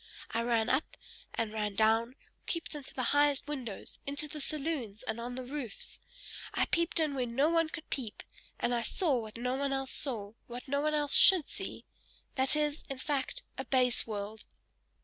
I ran up, and ran down, peeped into the highest windows, into the saloons, and on the roofs, I peeped in where no one could peep, and I saw what no one else saw, what no one else should see! This is, in fact, a base world!